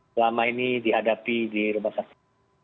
selama ini dihadapi di rumah sakit